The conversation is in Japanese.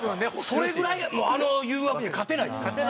それぐらいあの誘惑には勝てないですね。